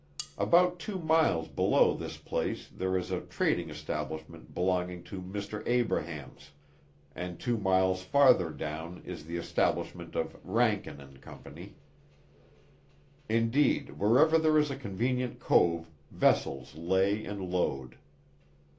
About two miles below this place there is a trading establishment belonging to Mr. ABRAHAMS, and two miles farther down is the establishment of RANKIN, & CO. Indeed wherever there is a convenient cove, vessels lay and load.